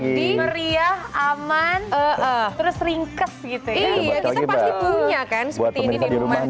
jadi meriah aman terus ringkes gitu ya ini ya kita pasti punya kan seperti ini di rumah kan